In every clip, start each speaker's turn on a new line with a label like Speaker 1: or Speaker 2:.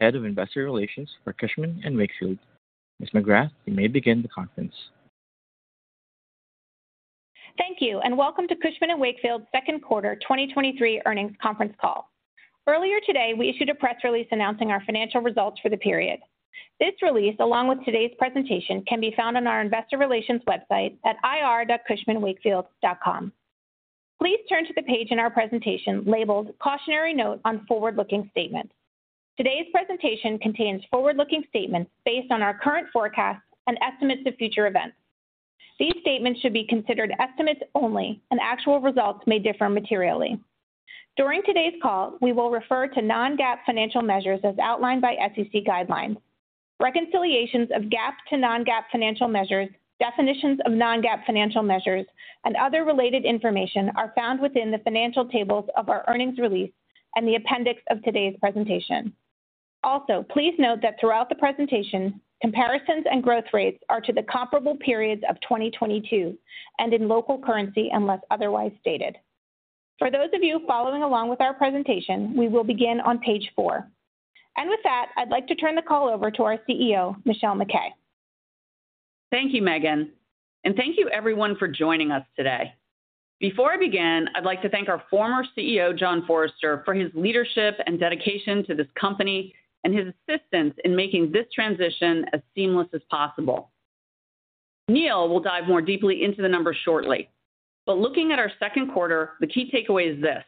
Speaker 1: Head of Investor Relations for Cushman & Wakefield. Ms. McGrath, you may begin the conference.
Speaker 2: Thank you. Welcome to Cushman & Wakefield's Second Quarter 2023 earnings conference call. Earlier today, we issued a press release announcing our financial results for the period. This release, along with today's presentation, can be found on our investor relations website at ir.cushmanwakefield.com. Please turn to the page in our presentation labeled Cautionary Note on Forward-Looking Statements. Today's presentation contains forward-looking statements based on our current forecasts and estimates of future events. These statements should be considered estimates only, and actual results may differ materially. During today's call, we will refer to non-GAAP financial measures as outlined by SEC guidelines. Reconciliations of GAAP to non-GAAP financial measures, definitions of non-GAAP financial measures, and other related information are found within the financial tables of our earnings release and the appendix of today's presentation. Also, please note that throughout the presentation, comparisons and growth rates are to the comparable periods of 2022 and in local currency, unless otherwise stated. For those of you following along with our presentation, we will begin on page four. With that, I'd like to turn the call over to our CEO, Michelle MacKay.
Speaker 3: Thank you, Megan. Thank you everyone for joining us today. Before I begin, I'd like to thank our former CEO, John Forrester, for his leadership and dedication to this company and his assistance in making this transition as seamless as possible. Neil will dive more deeply into the numbers shortly. Looking at our second quarter, the key takeaway is this: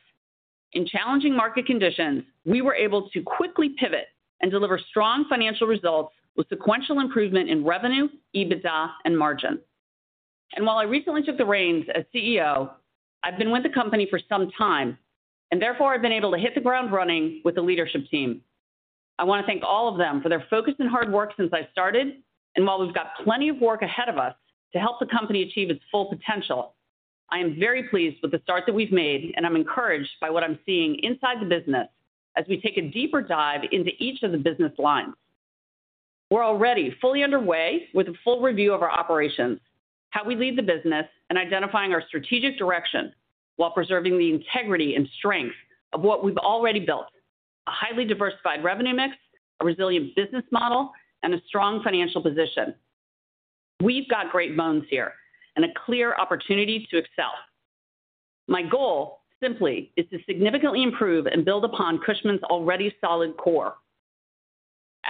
Speaker 3: In challenging market conditions, we were able to quickly pivot and deliver strong financial results with sequential improvement in revenue, EBITDA, and margin. While I recently took the reins as CEO, I've been with the company for some time, and therefore I've been able to hit the ground running with the leadership team. I want to thank all of them for their focus and hard work since I started. While we've got plenty of work ahead of us to help the company achieve its full potential, I am very pleased with the start that we've made. I'm encouraged by what I'm seeing inside the business as we take a deeper dive into each of the business lines. We're already fully underway with a full review of our operations, how we lead the business, and identifying our strategic direction while preserving the integrity and strength of what we've already built: a highly diversified revenue mix, a resilient business model, and a strong financial position. We've got great bones here and a clear opportunity to excel. My goal, simply, is to significantly improve and build upon Cushman's already solid core.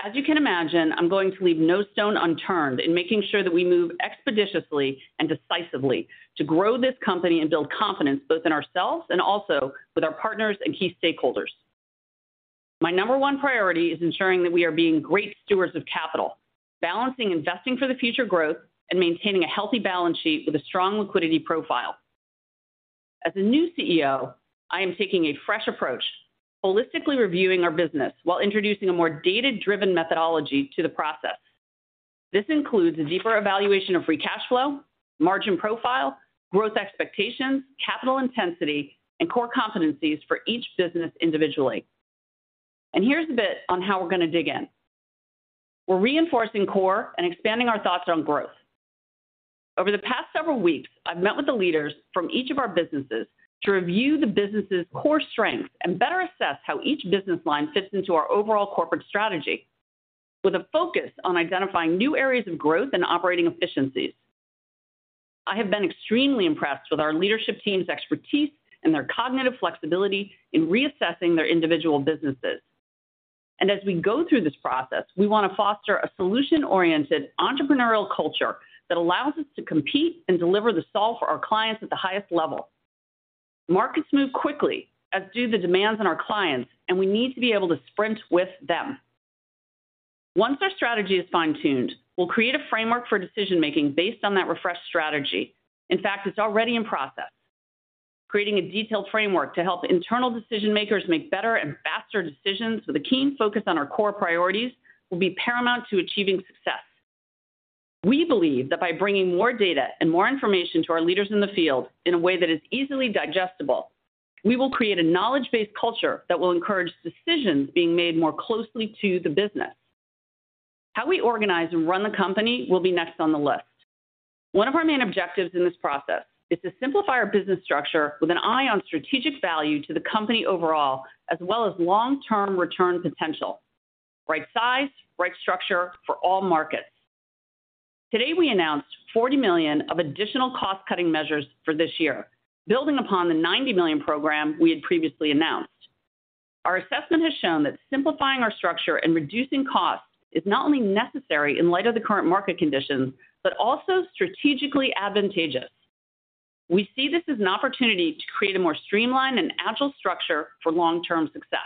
Speaker 3: As you can imagine, I'm going to leave no stone unturned in making sure that we move expeditiously and decisively to grow this company and build confidence both in ourselves and also with our partners and key stakeholders. My number one priority is ensuring that we are being great stewards of capital, balancing investing for the future growth and maintaining a healthy balance sheet with a strong liquidity profile. As a new CEO, I am taking a fresh approach, holistically reviewing our business while introducing a more data-driven methodology to the process. This includes a deeper evaluation of Free Cash Flow, margin profile, growth expectations, capital intensity, and core competencies for each business individually. Here's a bit on how we're going to dig in. We're reinforcing core and expanding our thoughts on growth. Over the past several weeks, I've met with the leaders from each of our businesses to review the business's core strengths and better assess how each business line fits into our overall corporate strategy, with a focus on identifying new areas of growth and operating efficiencies. I have been extremely impressed with our leadership team's expertise and their cognitive flexibility in reassessing their individual businesses. As we go through this process, we want to foster a solution-oriented, entrepreneurial culture that allows us to compete and deliver the solve for our clients at the highest level. Markets move quickly, as do the demands on our clients, and we need to be able to sprint with them. Once our strategy is fine-tuned, we'll create a framework for decision-making based on that refreshed strategy. In fact, it's already in process. Creating a detailed framework to help internal decision makers make better and faster decisions with a keen focus on our core priorities will be paramount to achieving success. We believe that by bringing more data and more information to our leaders in the field in a way that is easily digestible, we will create a knowledge-based culture that will encourage decisions being made more closely to the business. How we organize and run the company will be next on the list. One of our main objectives in this process is to simplify our business structure with an eye on strategic value to the company overall, as well as long-term return potential. Right size, right structure for all markets. Today, we announced $40 million of additional cost-cutting measures for this year, building upon the $90 million program we had previously announced. Our assessment has shown that simplifying our structure and reducing costs is not only necessary in light of the current market conditions, but also strategically advantageous. We see this as an opportunity to create a more streamlined and agile structure for long-term success.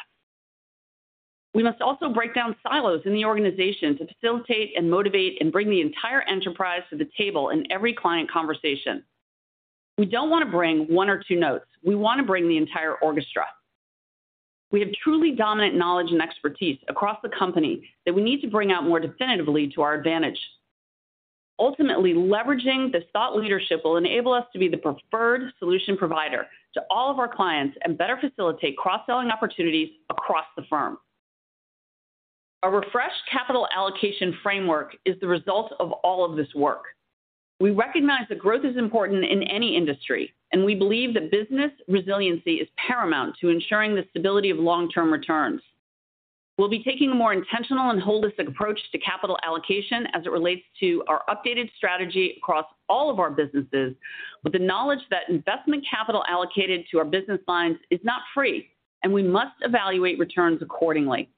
Speaker 3: We must also break down silos in the organization to facilitate and motivate and bring the entire enterprise to the table in every client conversation. We don't want to bring one or two notes. We want to bring the entire orchestra. We have truly dominant knowledge and expertise across the company that we need to bring out more definitively to our advantage. Ultimately, leveraging this thought leadership will enable us to be the preferred solution provider to all of our clients and better facilitate cross-selling opportunities across the firm. A refreshed capital allocation framework is the result of all of this work... We recognize that growth is important in any industry, and we believe that business resiliency is paramount to ensuring the stability of long-term returns. We'll be taking a more intentional and holistic approach to capital allocation as it relates to our updated strategy across all of our businesses, with the knowledge that investment capital allocated to our business lines is not free, and we must evaluate returns accordingly.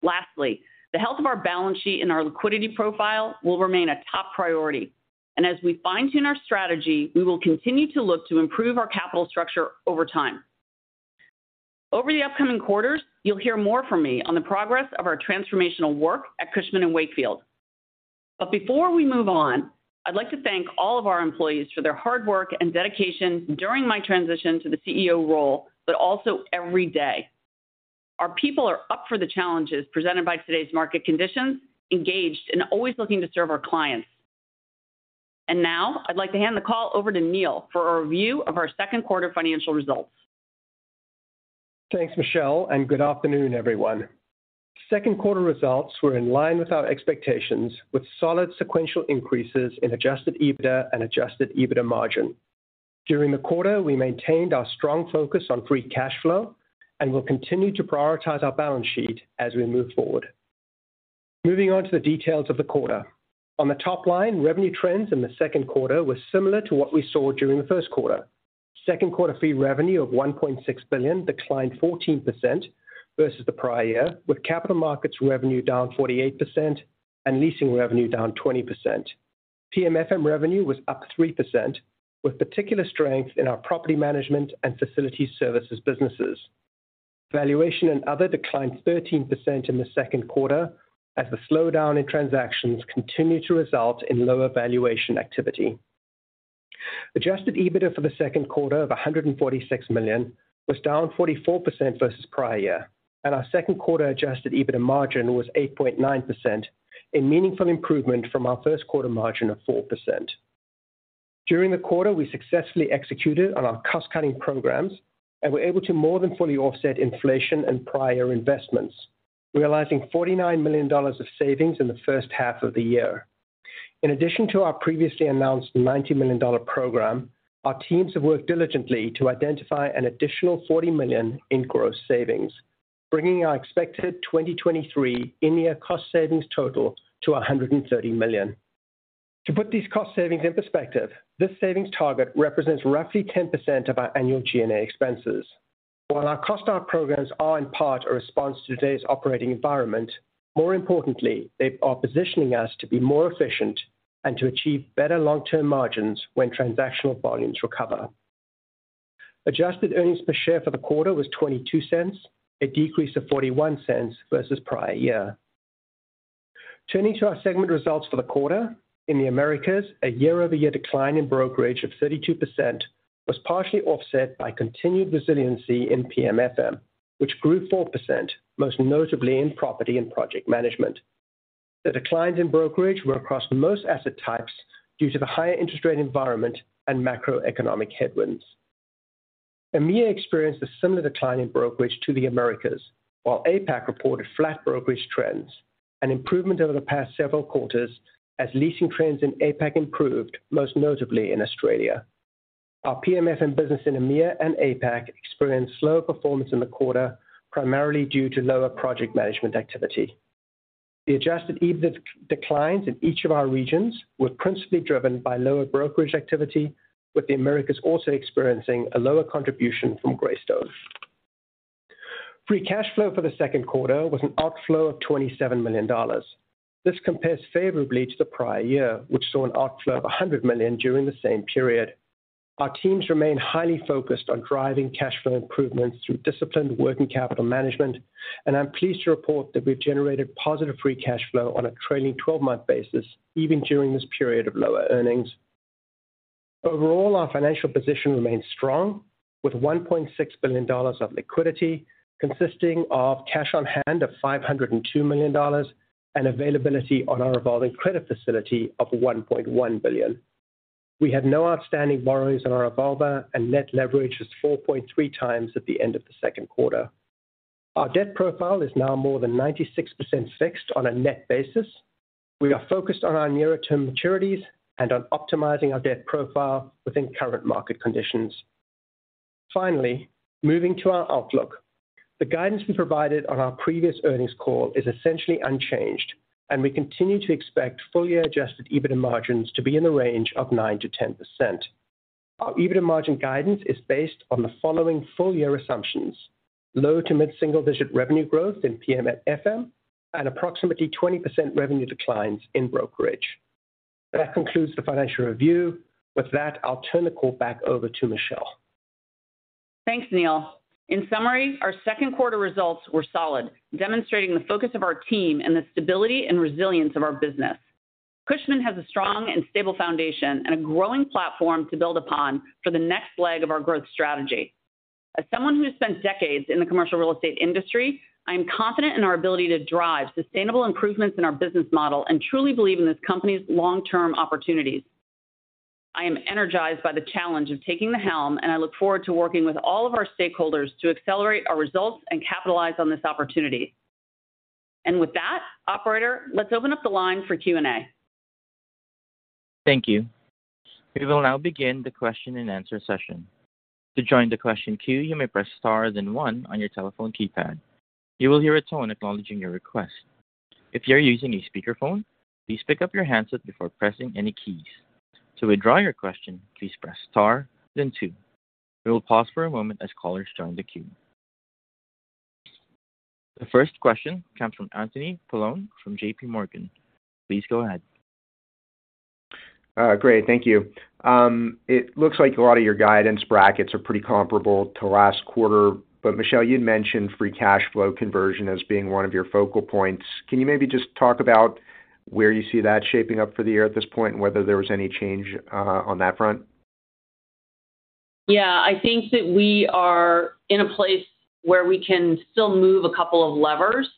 Speaker 3: Lastly, the health of our balance sheet and our liquidity profile will remain a top priority, and as we fine-tune our strategy, we will continue to look to improve our capital structure over time. Over the upcoming quarters, you'll hear more from me on the progress of our transformational work at Cushman & Wakefield. Before we move on, I'd like to thank all of our employees for their hard work and dedication during my transition to the CEO role, but also every day. Our people are up for the challenges presented by today's market conditions, engaged, and always looking to serve our clients. Now, I'd like to hand the call over to Neil for a review of our second quarter financial results.
Speaker 4: Thanks, Michelle. Good afternoon, everyone. Second quarter results were in line with our expectations, with solid sequential increases in Adjusted EBITDA and Adjusted EBITDA Margin. During the quarter, we maintained our strong focus on Free Cash Flow and will continue to prioritize our balance sheet as we move forward. Moving on to the details of the quarter. On the top line, revenue trends in the second quarter were similar to what we saw during the first quarter. Second quarter fee revenue of $1.6 billion declined 14% versus the prior year, with Capital Markets revenue down 48% and leasing revenue down 20%. PMFM revenue was up 3%, with particular strength in our property management and facility services businesses. Valuation and other declined 13% in the second quarter as the slowdown in transactions continued to result in lower valuation activity. Adjusted EBITDA for the second quarter of $146 million was down 44% versus prior year. Our second quarter Adjusted EBITDA Margin was 8.9%, a meaningful improvement from our first quarter margin of 4%. During the quarter, we successfully executed on our cost-cutting programs and were able to more than fully offset inflation and prior investments, realizing $49 million of savings in the first half of the year. In addition to our previously announced $90 million program, our teams have worked diligently to identify an additional $40 million in gross savings, bringing our expected 2023 in-year cost savings total to $130 million. To put these cost savings in perspective, this savings target represents roughly 10% of our annual G&A expenses. While our cost out programs are, in part, a response to today's operating environment, more importantly, they are positioning us to be more efficient and to achieve better long-term margins when transactional volumes recover. Adjusted Earnings Per Share for the quarter was $0.22, a decrease of $0.41 versus prior year. Turning to our segment results for the quarter, in the Americas, a year-over-year decline in brokerage of 32% was partially offset by continued resiliency in PMFM, which grew 4%, most notably in Property and Project Management. The declines in brokerage were across most asset types due to the higher interest rate environment and macroeconomic headwinds. EMEA experienced a similar decline in brokerage to the Americas, while APAC reported flat brokerage trends, an improvement over the past several quarters as leasing trends in APAC improved, most notably in Australia. Our PMFM business in EMEA and APAC experienced slower performance in the quarter, primarily due to lower project management activity. The Adjusted EBIT declines in each of our regions were principally driven by lower brokerage activity, with the Americas also experiencing a lower contribution from Greystone. Free Cash Flow for the second quarter was an outflow of $27 million. This compares favorably to the prior year, which saw an outflow of $100 million during the same period. Our teams remain highly focused on driving cash flow improvements through disciplined working capital management, and I'm pleased to report that we've generated positive Free Cash Flow on a trailing 12-month basis, even during this period of lower earnings. Overall, our financial position remains strong, with $1.6 billion of liquidity, consisting of cash on hand of $502 million, and availability on our revolving credit facility of $1.1 billion. We have no outstanding borrowings on our revolver, and Net Leverage was 4.3x at the end of the second quarter. Our debt profile is now more than 96% fixed on a net basis. We are focused on our nearer-term maturities and on optimizing our debt profile within current market conditions. Finally, moving to our outlook. The guidance we provided on our previous earnings call is essentially unchanged, and we continue to expect full-year Adjusted EBITDA Margins to be in the range of 9%-10%. Our EBITDA margin guidance is based on the following full-year assumptions: low to mid-single digit revenue growth in PMFM, and approximately 20% revenue declines in brokerage. That concludes the financial review. With that, I'll turn the call back over to Michelle.
Speaker 3: Thanks, Neil. In summary, our second quarter results were solid, demonstrating the focus of our team and the stability and resilience of our business. Cushman has a strong and stable foundation and a growing platform to build upon for the next leg of our growth strategy. As someone who has spent decades in the commercial real estate industry, I am confident in our ability to drive sustainable improvements in our business model and truly believe in this company's long-term opportunities. I am energized by the challenge of taking the helm, and I look forward to working with all of our stakeholders to accelerate our results and capitalize on this opportunity. With that, operator, let's open up the line for Q&A.
Speaker 1: Thank you. We will now begin the question-and-answer session. To join the question queue, you may press star, then one on your telephone keypad. You will hear a tone acknowledging your request. If you're using a speakerphone, please pick up your handset before pressing any keys. To withdraw your question, please press star, then two. We will pause for a moment as callers join the queue. The first question comes from Anthony Paolone from J.P. Morgan. Please go ahead.
Speaker 5: Great, thank you. It looks like a lot of your guidance brackets are pretty comparable to last quarter, but Michelle, you'd mentioned Free Cash Flow conversion as being one of your focal points. Can you maybe just talk about where you see that shaping up for the year at this point, and whether there was any change on that front?
Speaker 3: Yeah, I think that we are in a place where we can still move a couple of levers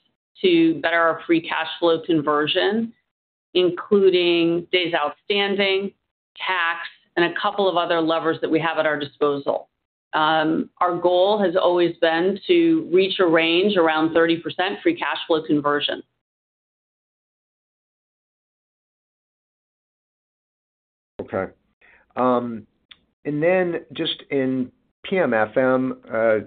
Speaker 3: to better our Free Cash Flow conversion, including days outstanding, tax, and a couple of other levers that we have at our disposal. Our goal has always been to reach a range around 30% Free Cash Flow conversion.
Speaker 5: Okay. Then just in PMFM,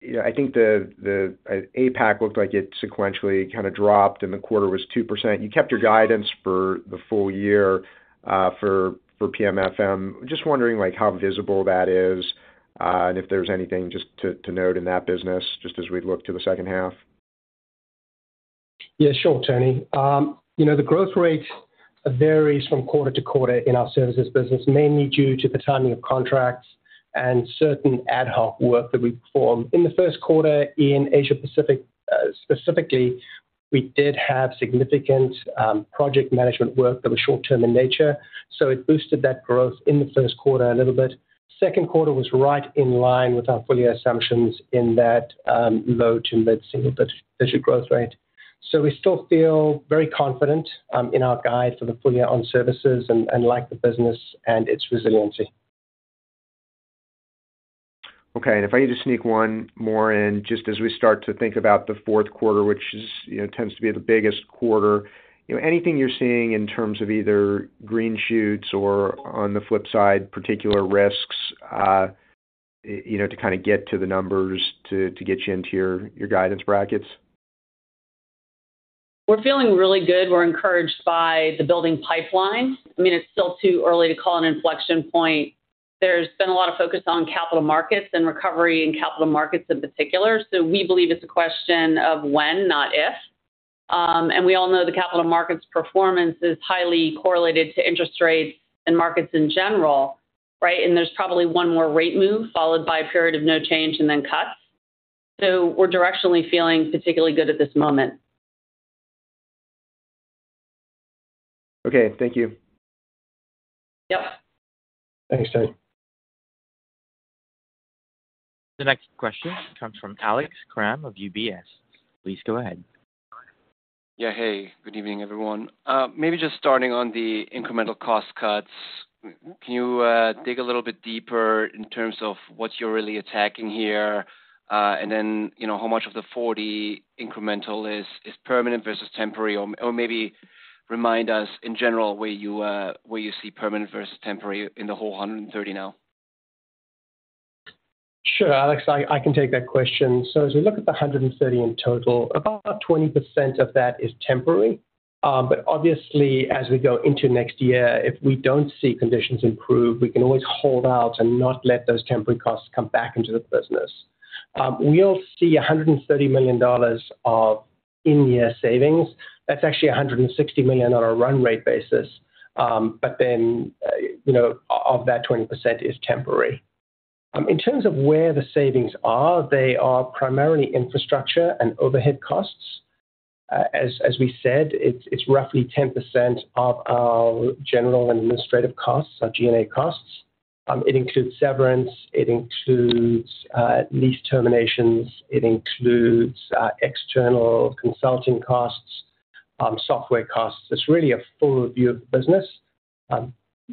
Speaker 5: you know, I think the, the, APAC looked like it sequentially kinda dropped, and the quarter was 2%. You kept your guidance for the full year, for, for PMFM. Just wondering, like, how visible that is, and if there's anything just to, to note in that business, just as we look to the 1/2.
Speaker 4: Yeah, sure, Tony. You know, the growth rate varies from quarter to quarter in our services business, mainly due to the timing of contracts and certain ad hoc work that we perform. In the first quarter, in Asia Pacific, specifically, we did have significant project management work that was short-term in nature. It boosted that growth in the first quarter a little bit. Second quarter was right in line with our full year assumptions in that low to mid-single digit growth rate. We still feel very confident in our guide for the full year on services and like the business and its resiliency.
Speaker 5: Okay, if I need to sneak one more in, just as we start to think about the fourth quarter, which is, you know, tends to be the biggest quarter. You know, anything you're seeing in terms of either green shoots or on the flip side, particular risks, you know, to kinda get to the numbers, to, to get you into your, your guidance brackets?
Speaker 3: We're feeling really good. We're encouraged by the building pipeline. I mean, it's still too early to call an inflection point. There's been a lot of focus on Capital Markets and recovery in Capital Markets in particular, so we believe it's a question of when, not if. We all know the Capital Markets performance is highly correlated to interest rates and markets in general, right? There's probably one more rate move, followed by a period of no change and then cuts. We're directionally feeling particularly good at this moment.
Speaker 5: Okay, thank you.
Speaker 3: Yep.
Speaker 4: Thanks, Tony.
Speaker 2: The next question comes from Alex Kramm of UBS. Please go ahead.
Speaker 6: Yeah, hey, good evening, everyone. Maybe just starting on the incremental cost cuts, can you dig a little bit deeper in terms of what you're really attacking here? Then, you know, how much of the 40 incremental is, is permanent versus temporary, or, or maybe remind us in general, where you see permanent versus temporary in the whole 130 now?
Speaker 4: Sure, Alex, I, I can take that question. As we look at the 130 in total, about 20% of that is temporary. Obviously, as we go into next year, if we don't see conditions improve, we can always hold out and not let those temporary costs come back into the business. We'll see $130 million of in-year savings. That's actually $160 million on a run rate basis. Then, you know, of that, 20% is temporary. In terms of where the savings are, they are primarily infrastructure and overhead costs. As, as we said, it's, it's roughly 10% of our general and administrative costs, our G&A costs. It includes severance, it includes lease terminations, it includes external consulting costs, software costs. It's really a full review of the business,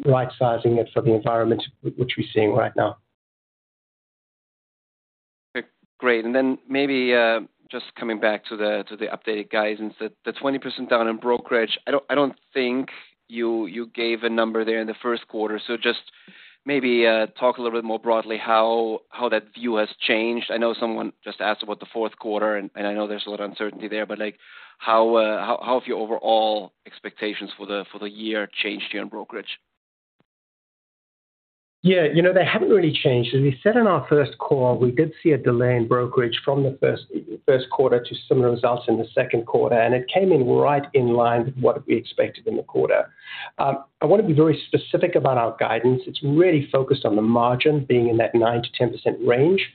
Speaker 4: right sizing it for the environment which we're seeing right now.
Speaker 6: Okay, great. Then maybe, just coming back to the, to the updated guidance, the, the 20% down in brokerage, I don't, I don't think you, you gave a number there in the first quarter. Just maybe, talk a little bit more broadly how, how that view has changed. I know someone just asked about the fourth quarter, and I know there's a lot of uncertainty there, but, like, how, how, how have your overall expectations for the, for the year changed here in brokerage?
Speaker 4: Yeah, you know, they haven't really changed. As we said in our first call, we did see a delay in brokerage from the first, first quarter to similar results in the second quarter, and it came in right in line with what we expected in the quarter. I want to be very specific about our guidance. It's really focused on the margin being in that 9%-10% range.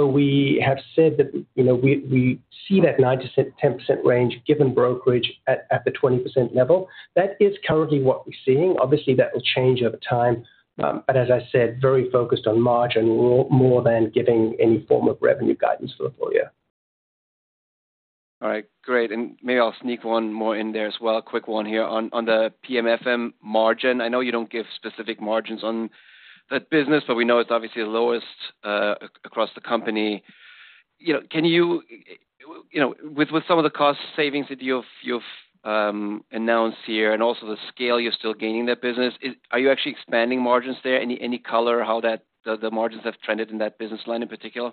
Speaker 4: We have said that, you know, we, we see that 9%-10% range given brokerage at, at the 20% level. That is currently what we're seeing. Obviously, that will change over time, but as I said, very focused on margin more than giving any form of revenue guidance for the full year.
Speaker 6: All right, great. Maybe I'll sneak one more in there as well. Quick one here. On the PMFM margin, I know you don't give specific margins on-... that business, but we know it's obviously the lowest, across the company. You know, can you, you know, with, with some of the cost savings that you've, you've, announced here and also the scale you're still gaining that business, are you actually expanding margins there? Any, any color how that, the margins have trended in that business line in particular?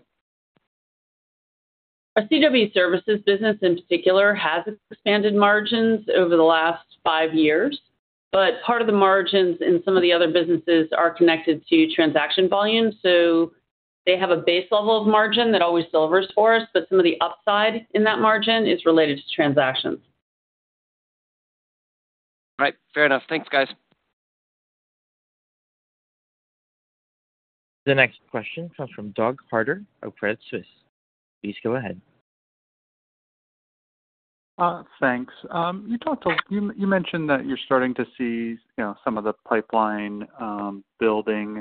Speaker 3: Our C&W Services business in particular, has expanded margins over the last five years. Part of the margins in some of the other businesses are connected to transaction volume. They have a base level of margin that always delivers for us, but some of the upside in that margin is related to transactions.
Speaker 6: All right. Fair enough. Thanks, guys.
Speaker 1: The next question comes from Doug Carter of Credit Suisse. Please go ahead.
Speaker 7: Thanks. You talked you, you mentioned that you're starting to see, you know, some of the pipeline, building,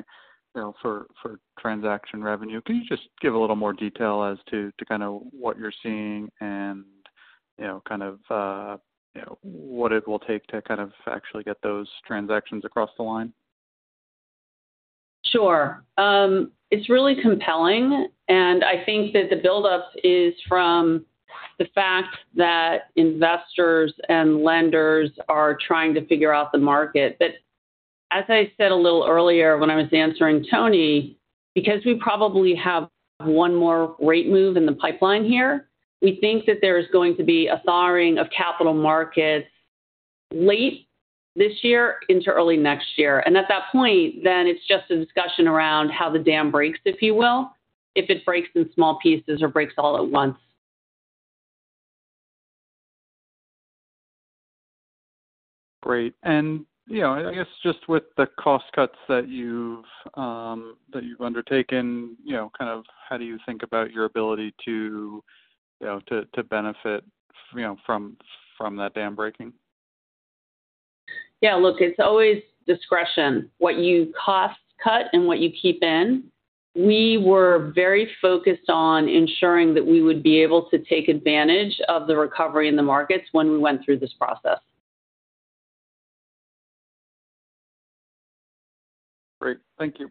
Speaker 7: you know, for, for transaction revenue. Can you just give a little more detail as to, to kind of what you're seeing and, you know, kind of, you know, what it will take to kind of actually get those transactions across the line?
Speaker 3: Sure. It's really compelling, and I think that the build-up is from the fact that investors and lenders are trying to figure out the market. As I said a little earlier when I was answering Tony, because we probably have one more rate move in the pipeline here, we think that there is going to be a thawing of Capital Markets late this year into early next year. At that point, then it's just a discussion around how the dam breaks, if you will, if it breaks in small pieces or breaks all at once.
Speaker 7: Great. You know, I guess just with the cost cuts that you've, that you've undertaken, you know, kind of how do you think about your ability to, you know, to, to benefit, you know, from, from that dam breaking?
Speaker 3: Yeah, look, it's always discretion, what you cost cut and what you keep in. We were very focused on ensuring that we would be able to take advantage of the recovery in the markets when we went through this process.
Speaker 7: Great. Thank you.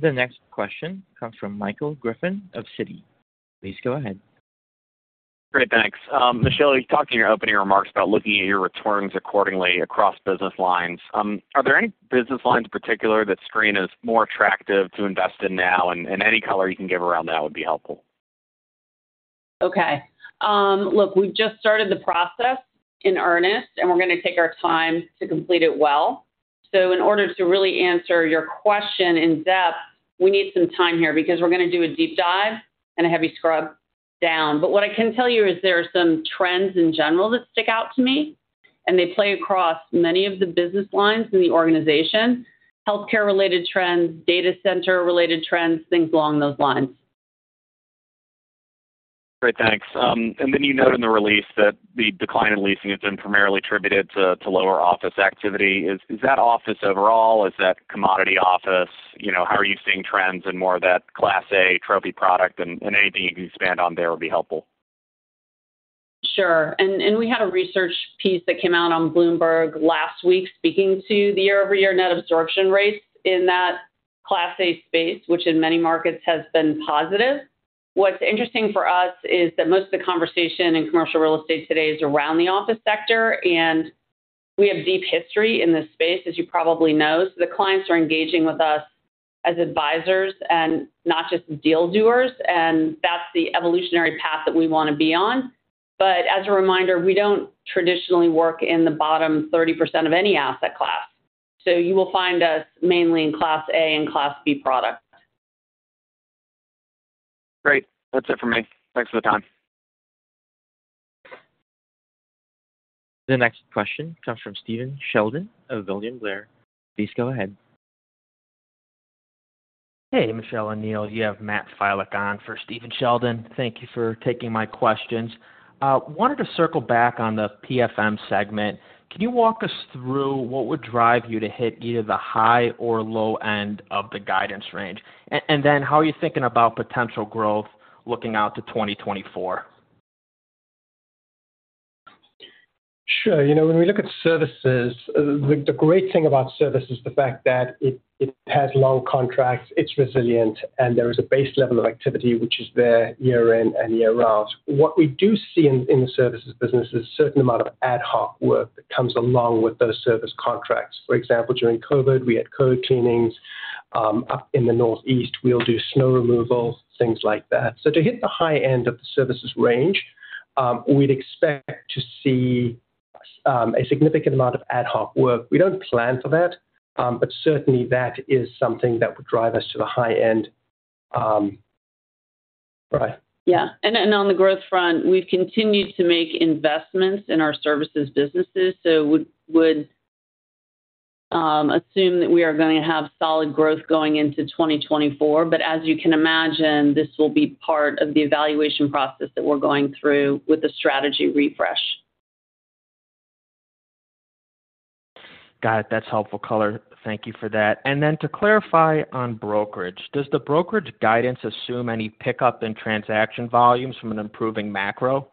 Speaker 2: The next question comes from Michael Griffin of Citi. Please go ahead.
Speaker 8: Great. Thanks. Michelle, you talked in your opening remarks about looking at your returns accordingly across business lines. Are there any business lines in particular, that screen as more attractive to invest in now? Any color you can give around that would be helpful.
Speaker 3: Okay. look, we've just started the process in earnest, and we're going to take our time to complete it well. In order to really answer your question in depth, we need some time here, because we're going to do a deep dive and a heavy scrub down. What I can tell you is there are some trends in general that stick out to me, and they play across many of the business lines in the organization. Healthcare-related trends, data center-related trends, things along those lines.
Speaker 8: Great, thanks. Then you note in the release that the decline in leasing has been primarily attributed to lower office activity. Is that office overall, is that commodity office? You know, how are you seeing trends in more of that Class A trophy product, and anything you can expand on there would be helpful.
Speaker 3: Sure. And we had a research piece that came out on Bloomberg last week, speaking to the year-over-year net absorption rates in that Class A space, which in many markets has been positive. What's interesting for us is that most of the conversation in commercial real estate today is around the office sector, and we have deep history in this space, as you probably know. The clients are engaging with us as advisors and not just deal doers, and that's the evolutionary path that we want to be on. As a reminder, we don't traditionally work in the bottom 30% of any asset class, so you will find us mainly in Class A and Class B product.
Speaker 8: Great. That's it for me. Thanks for the time.
Speaker 1: The next question comes from Stephen Sheldon of William Blair. Please go ahead.
Speaker 9: Hey, Michelle and Neil, you have Matt Filak on for Stephen Sheldon. Thank you for taking my questions. Wanted to circle back on the PMFM segment. Can you walk us through what would drive you to hit either the high or low end of the guidance range? How are you thinking about potential growth looking out to 2024?
Speaker 4: Sure. You know, when we look at services, the great thing about service is the fact that it has long contracts, it's resilient, and there is a base level of activity, which is there year in and year out. What we do see in the services business is a certain amount of ad hoc work that comes along with those service contracts. For example, during COVID, we had COVID cleanings. Up in the Northeast, we'll do snow removal, things like that. To hit the high end of the services range, we'd expect to see a significant amount of ad hoc work. We don't plan for that, but certainly, that is something that would drive us to the high end, right.
Speaker 3: Yeah. On the growth front, we've continued to make investments in our services businesses, so would, would, assume that we are going to have solid growth going into 2024. As you can imagine, this will be part of the evaluation process that we're going through with the strategy refresh.
Speaker 9: Got it. That's helpful color. Thank you for that. Then to clarify on brokerage, does the brokerage guidance assume any pickup in transaction volumes from an improving macro?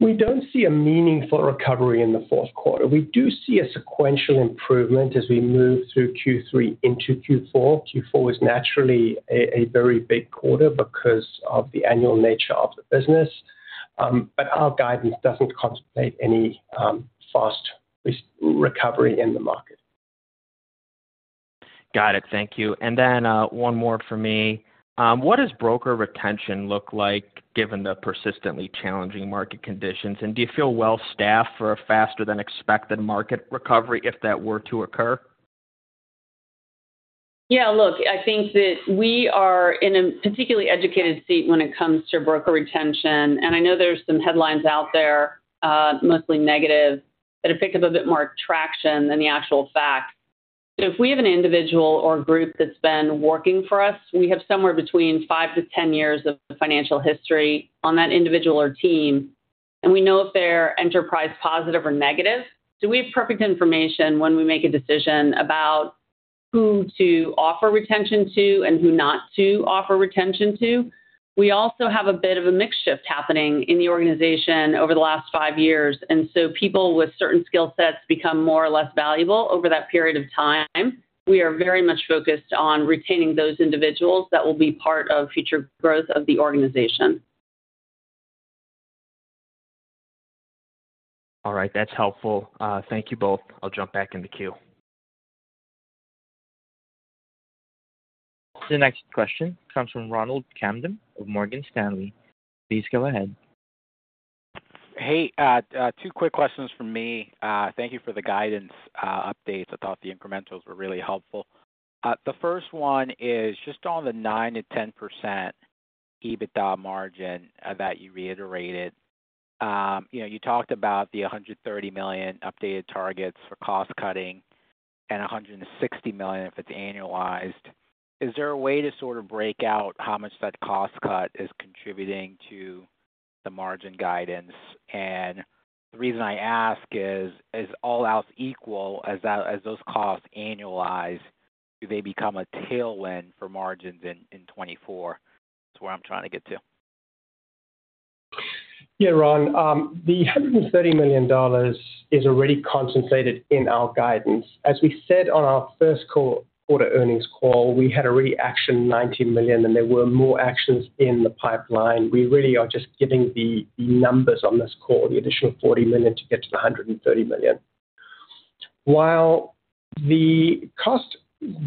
Speaker 4: We don't see a meaningful recovery in the fourth quarter. We do see a sequential improvement as we move through Q3 into Q4. Q4 is naturally a very big quarter because of the annual nature of the business. Our guidance doesn't contemplate any fast recovery in the market.
Speaker 9: Got it. Thank you. Then, one more for me. What does broker retention look like given the persistently challenging market conditions? Do you feel well-staffed for a faster than expected market recovery, if that were to occur?
Speaker 3: Yeah, look, I think that we are in a particularly educated seat when it comes to broker retention. I know there's some headlines out there, mostly negative, that have picked up a bit more traction than the actual fact. If we have an individual or group that's been working for us, we have somewhere between five to 10 years of financial history on that individual or team, and we know if they're enterprise, positive or negative. We have perfect information when we make a decision about who to offer retention to and who not to offer retention to. We also have a bit of a mix shift happening in the organization over the last five years, and so people with certain skill sets become more or less valuable over that period of time. We are very much focused on retaining those individuals that will be part of future growth of the organization.
Speaker 9: All right, that's helpful. Thank you both. I'll jump back in the queue.
Speaker 1: The next question comes from Ronald Kamdem of Morgan Stanley. Please go ahead.
Speaker 10: Hey, two quick questions from me. Thank you for the guidance, updates. I thought the incrementals were really helpful. The first one is just on the 9%-10% EBITDA margin that you reiterated. You know, you talked about the $130 million updated targets for cost cutting and $160 million if it's annualized. Is there a way to sort of break out how much that cost cut is contributing to the margin guidance? The reason I ask is, all else equal, as those costs annualize, do they become a tailwind for margins in 2024? That's where I'm trying to get to.
Speaker 4: Yeah, Ron, the $130 million is already concentrated in our guidance. As we said on our first call, quarter earnings call, we had already actioned $90 million, and there were more actions in the pipeline. We really are just giving the, the numbers on this call, the additional $40 million to get to the $130 million. While the cost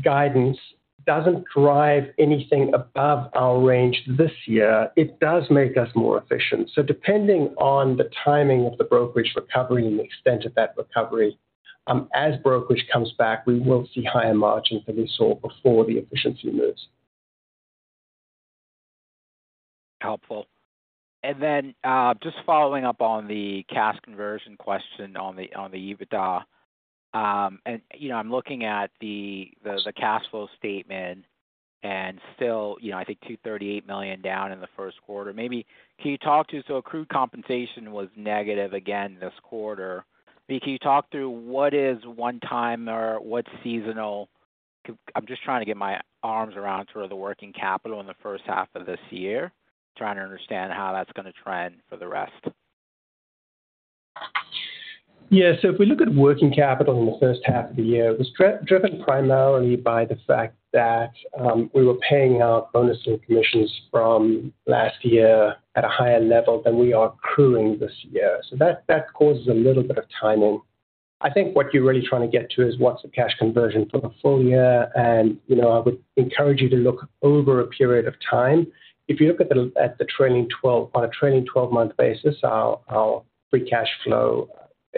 Speaker 4: guidance doesn't drive anything above our range this year, it does make us more efficient. Depending on the timing of the brokerage recovery and the extent of that recovery, as brokerage comes back, we will see higher margins than we saw before the efficiency moves.
Speaker 10: Helpful. Just following up on the cash conversion question on the, on the EBITDA. You know, I'm looking at the, the, the cash flow statement and still, you know, I think $238 million down in the 1st quarter. Maybe can you talk to... Accrued compensation was negative again this quarter. Can you talk through what is one-time or what's seasonal? I'm just trying to get my arms around sort of the working capital in the 1st half of this year. Trying to understand how that's going to trend for the rest.
Speaker 4: Yeah. If we look at working capital in the 1st half of the year, it was driven primarily by the fact that we were paying out bonuses and commissions from last year at a higher level than we are accruing this year. That, that causes a little bit of timing. I think what you're really trying to get to is, what's the cash conversion for the full year? You know, I would encourage you to look over a period of time. If you look on a trailing 12-month basis, our, our Free Cash Flow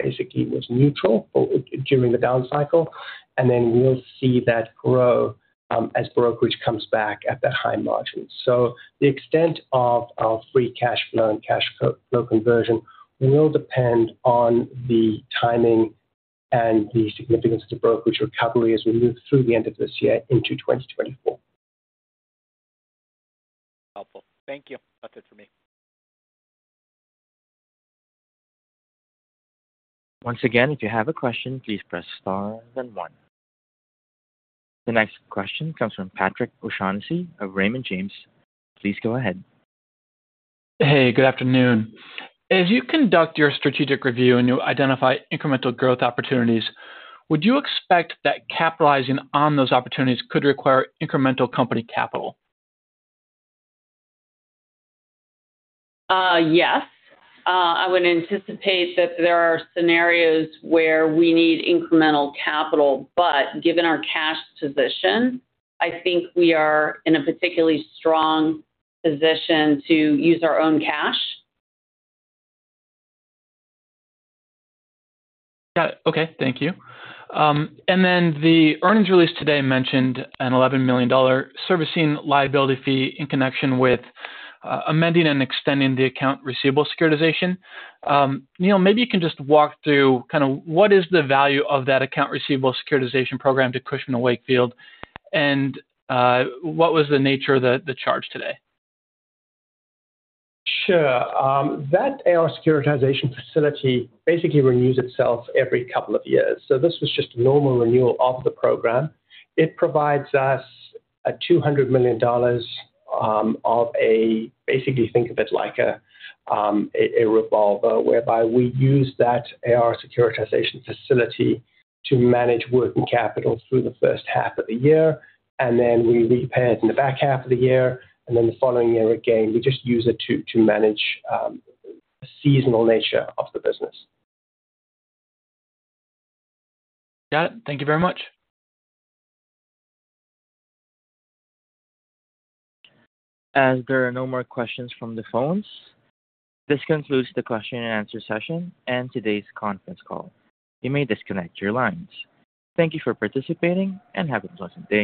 Speaker 4: basically was neutral for, during the down cycle, and then we'll see that grow as brokerage comes back at the high margins. The extent of our Free Cash Flow and cash flow conversion will depend on the timing and the significance of the brokerage recovery as we move through the end of this year into 2024.
Speaker 10: Helpful. Thank you. That's it for me.
Speaker 1: Once again, if you have a question, please press star then one. The next question comes from Patrick O'Shaughnessy of Raymond James. Please go ahead.
Speaker 11: Hey, good afternoon. As you conduct your strategic review and you identify incremental growth opportunities, would you expect that capitalizing on those opportunities could require incremental company capital?
Speaker 3: Yes. I would anticipate that there are scenarios where we need incremental capital, but given our cash position, I think we are in a particularly strong position to use our own cash.
Speaker 11: Got it. Okay, thank you. Then the earnings release today mentioned an $11 million servicing liability fee in connection with amending and extending the Accounts Receivable Securitization. Neil, maybe you can just walk through kind of what is the value of that Accounts Receivable Securitization program to Cushman & Wakefield, and what was the nature of the, the charge today?
Speaker 4: Sure. That AR securitization facility basically renews itself every couple of years. This was just a normal renewal of the program. It provides us a $200 million. Basically, think of it like a revolver, whereby we use that AR securitization facility to manage working capital through the first half of the year, we repay it in the back half of the year, the following year, again, we just use it to manage the seasonal nature of the business.
Speaker 11: Got it. Thank you very much.
Speaker 1: As there are no more questions from the phones, this concludes the question and answer session and today's conference call. You may disconnect your lines. Thank you for participating, and have a pleasant day.